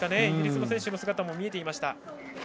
イギリスの選手の姿も見えていました。